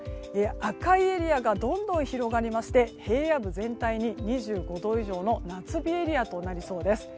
赤いエリアがどんどん広がって平野部全体、２５度以上の夏日エリアとなりそうです。